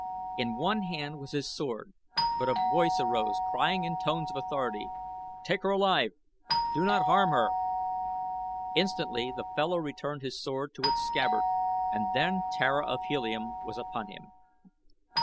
In one hand was his sword, but a voice arose, crying in tones of authority. "Take her alive! Do not harm her!" Instantly the fellow returned his sword to its scabbard and then Tara of Helium was upon him.